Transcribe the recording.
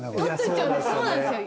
そうなんですよ。